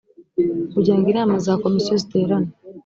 kugira ngo inama za komisiyo ziterane